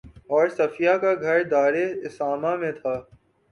اور صفیہ کا گھر دارِ اسامہ میں تھا